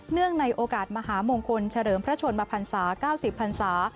ในโอกาสมหามงคลเฉลิมพระชนมพันศา๙๐พันศา